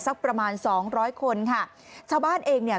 สักประมาณสองร้อยคนค่ะชาวบ้านเองเนี่ย